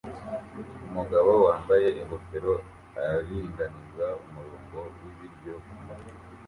Umugabo wambaye ingofero aringaniza umurongo wibiryo kumutwe